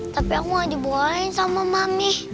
tapi aku gak dibuangin sama mami